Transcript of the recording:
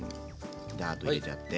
ダーッと入れちゃって。